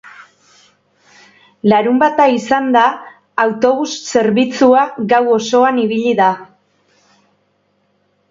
Larunbata izanda, autobus zerbitzua gau osoan ibili da.